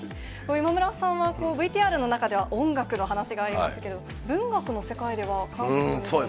今村さんは、ＶＴＲの中では、音楽の話がありましたけど、文学の世界では、韓国の。